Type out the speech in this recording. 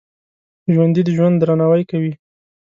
ژوندي د ژوند درناوی کوي